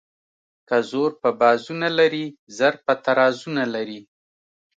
که زور په بازو نه لري زر په ترازو نه لري.